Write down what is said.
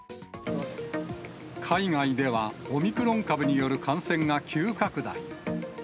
海外では、オミクロン株による感染が急拡大。